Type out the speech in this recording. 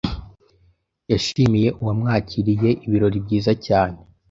Yashimiye uwamwakiriye ibirori byiza cyane.